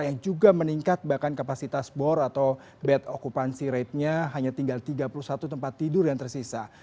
yang juga meningkat bahkan kapasitas bor atau bed occupancy ratenya hanya tinggal tiga puluh satu tempat tidur yang tersisa